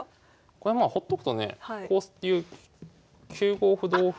これまあほっとくとねこういう９五歩同歩。